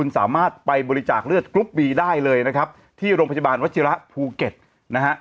สามารถไปบริจาคเลือดกรุ๊ปบีได้เลยนะครับที่โรงพยาบาลวัชิระภูเก็ตนะฮะ